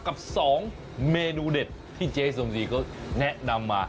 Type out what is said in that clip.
กับ๒เมนูเด็ดที่เจ๊สมศรีเขาแนะนำมา